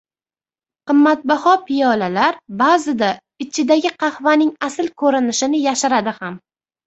Qimmatbaho piyolalar baʼzida ichidagi qahvaning asl koʻrinishini yashiradi ham.